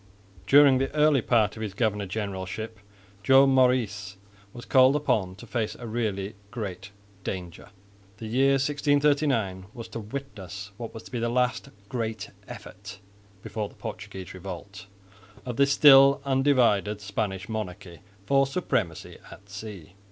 During the earlier part of his governor generalship Joan Maurice was called upon to face a really great danger. The year 1639 was to witness what was to be the last great effort (before the Portuguese revolt) of the still undivided Spanish monarchy for supremacy at sea.